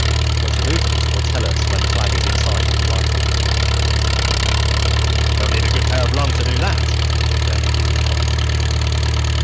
Doctor Loudons will tell us when the flag is in sight of the rifle." "He'll need a good pair of lungs to do that," Verner Hughes commented.